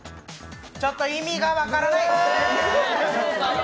ちょっと意味が分からない。